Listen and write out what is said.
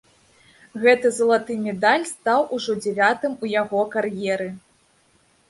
Гэты залаты медаль стаў ужо дзявятым у яго кар'еры.